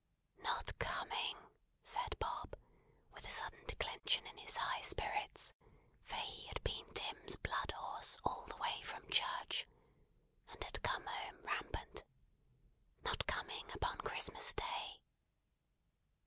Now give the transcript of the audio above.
"Not coming!" said Bob, with a sudden declension in his high spirits; for he had been Tim's blood horse all the way from church, and had come home rampant. "Not coming upon Christmas Day!"